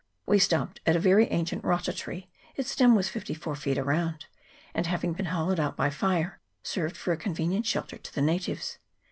We stopped at a very ancient rata tree : its stem was fifty four feet round, and, having been hollowed out by fire, served for a convenient shelter to the natives.